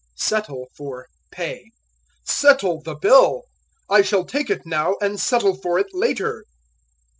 Settle for Pay. "Settle the bill." "I shall take it now and settle for it later."